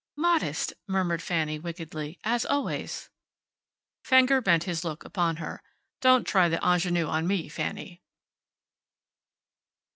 "Modest," murmured Fanny, wickedly, "as always." Fenger bent his look upon her. "Don't try the ingenue on me, Fanny."